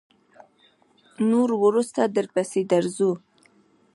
نور وروسته درپسې درځو.